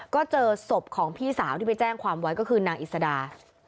ก็เจอศพของพี่สาวที่ไปแจ้งความไว้ก็คือนางอิสดา